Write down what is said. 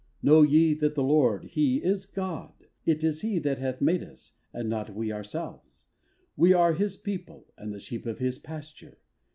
Know ye that the Lord he is God; It is he that hath made us, and not we ourselves; We are his people and the sheep of his pasture.